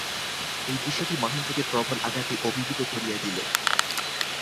এই দৃশ্যটি মহেন্দ্রকে প্রবল আঘাতে অভিভূত করিয়া দিল।